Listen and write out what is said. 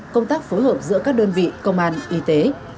công tác phối hợp giữa các đơn vị công an y tế